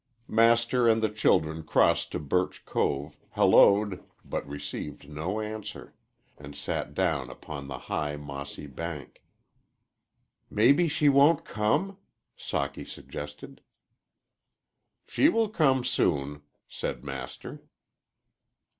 Master and the children crossed to Birch Cove, hallooed, but received no answer, and sat down upon the high, mossy bank. "Maybe she won't come?" Socky suggested. "She will come soon," said Master.